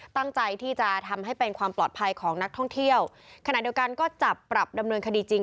ตั้งใจที่จะทำให้เป็นความปลอดภัยของนักท่องเที่ยวขณะเดียวกันก็จับปรับดำเนินคดีจริง